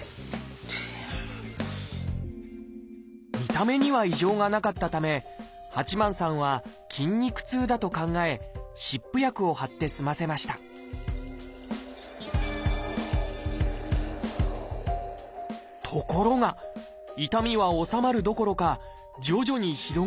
見た目には異常がなかったため八幡さんは筋肉痛だと考え湿布薬を貼って済ませましたところが痛みは治まるどころか徐々に広がっていったのです